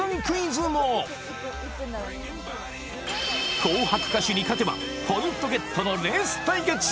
クイズも紅白歌手に勝てばポイントゲットのレース対決